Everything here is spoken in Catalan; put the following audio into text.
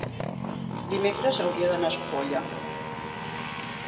dimecres hauria d'anar a Espolla.